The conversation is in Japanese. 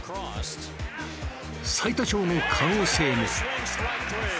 最多勝の可能性も。